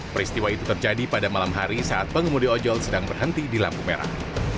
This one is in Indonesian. peristiwa itu terjadi pada malam hari saat pengemudi ojol sedang berhenti di lampu merah